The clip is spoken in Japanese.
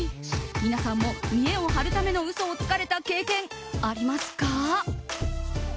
皆さんも見栄を張るための嘘をつかれた経験ありますか？